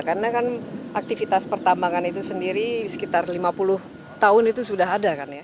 karena kan aktivitas pertambangan itu sendiri sekitar lima puluh tahun itu sudah ada kan ya